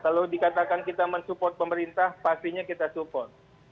kalau dikatakan kita mensupport pemerintah pastinya kita support